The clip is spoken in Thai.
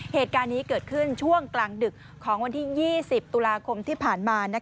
เหตุการณ์นี้เกิดขึ้นช่วงกลางดึกของวันที่๒๐ตุลาคมที่ผ่านมา